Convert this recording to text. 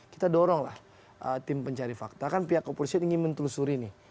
kita dorong lah tim pencari fakta kan pihak kepolisian ingin mentelusuri nih